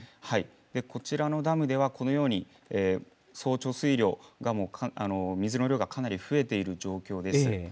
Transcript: こちらのダムでは、このように総貯水量が、水の量がかなり増えている状況です。